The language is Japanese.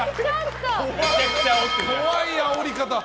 怖いあおり方。